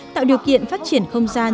tạo điều kiện phát triển không gian